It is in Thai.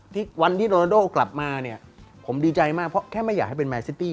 ที่วันที่โรนาโดกลับมาเนี่ยผมดีใจมากเพราะแค่ไม่อยากให้เป็นแมนซิตี้